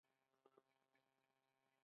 پرون مې د سولې د عالي شورا يو چارواکی ولید.